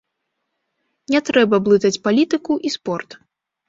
Не трэба блытаць палітыку і спорт.